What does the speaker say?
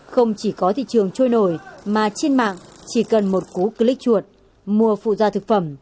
không chỉ có thị trường trôi nổi mà trên mạng chỉ cần một cú click chuột mua phụ gia thực phẩm